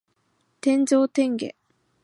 天上天下